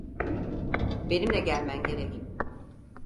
Benimle gelmen gerek.